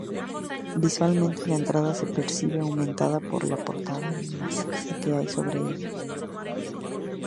Visualmente la entrada se percibe aumentada por la portada maciza que hay sobre ella.